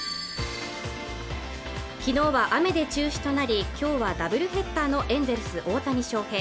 昨日は雨で中止となりきょうはダブルヘッダーのエンゼルス・大谷翔平